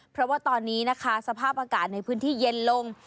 เพราะว่าตอนนี้นะคะสภาพอากาศในพื้นที่เย็นลง